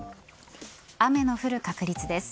雨の降る確率です。